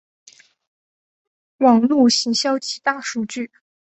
网路行销及大数据